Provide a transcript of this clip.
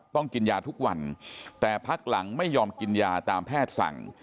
กินยาทุกวันแต่พักหลังไม่ยอมกินยาตามแพทย์สั่ง